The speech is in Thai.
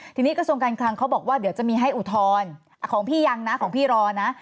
ทีนี้กระทรวงการคลังเขาบอกว่าเดี๋ยวจะมีให้อุทธรณ์ของพี่ยังนะของพี่รอนะ